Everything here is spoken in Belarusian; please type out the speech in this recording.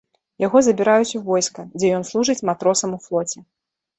Яго забіраюць у войска, дзе ён служыць матросам у флоце.